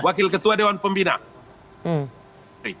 wakil ketua dewan pembina